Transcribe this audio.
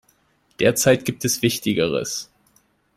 Derzeit gibt es Wichtigeres.